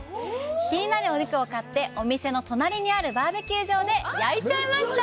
気になるお肉を買って、お店の隣にあるバーベキュー場で、焼いちゃいました。